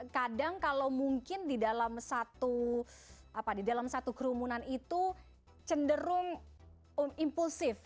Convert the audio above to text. kadang kalau mungkin di dalam satu kerumunan itu cenderung impulsif